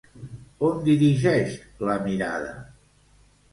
On dirigeix la mirada?